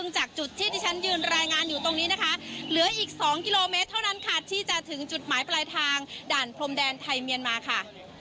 เชิญค่ะ